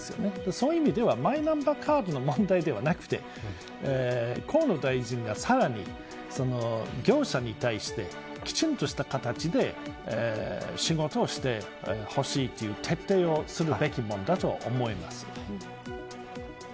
そういう意味ではマイナンバーカードの問題ではなく河野大臣がさらに業者に対して、きちんとした形で仕事をしてほしいという徹底をすべき問題だと思います。